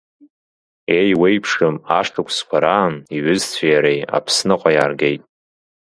Еиуеиԥшым ашықәсқәа раан иҩызцәеи иареи Аԥсныҟа иааргеит…